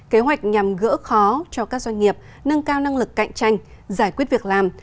kế hoạch nhằm gỡ khó cho các doanh nghiệp nâng cao năng lực cạnh tranh giải quyết việc làm